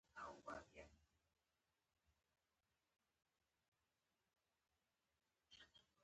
نابرابري کېدی شي د مثبتو بدلونونو پایله وي